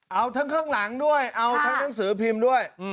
เอาทั้งข้างหลังด้วยเอาทั้งหนังสือพิมพ์ด้วย